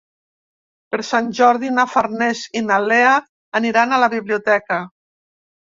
Per Sant Jordi na Farners i na Lea aniran a la biblioteca.